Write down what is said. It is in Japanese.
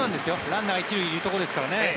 ランナー１塁にいるところですからね。